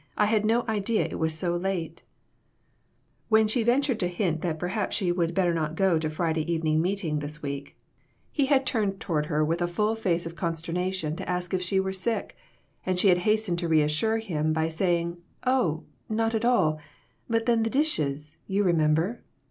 I had no idea it was so late !" When she ventured to hint that perhaps she would better not go to the Friday evening meet A SMOKY ATMOSPHERE. 79 ing this time, he had turned toward her with a face full of consternation to ask if she were sick, and she had hastened to reassure him by say ing, "Oh, not at all; but then the dishes, you remember."